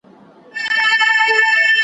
هم پردې سي هم غلیم د خپل تربور وي .